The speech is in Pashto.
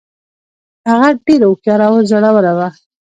هغه ډیره هوښیاره او زړوره وه.